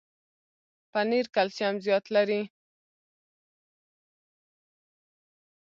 پنېر کلسیم زیات لري.